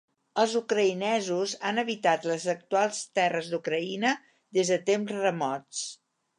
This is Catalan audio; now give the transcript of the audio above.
Els ucraïnesos han habitat les actuals terres d'Ucraïna des de temps remots.